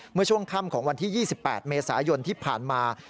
เมื่อช่วงค่ำของวันที่๒๘เมษายนที่ผ่านมา